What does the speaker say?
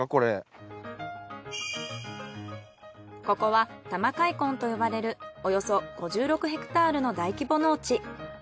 ここは多摩開墾と呼ばれるおよそ５６ヘクタールの大規模農地。